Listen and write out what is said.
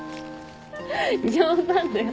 冗談だよ。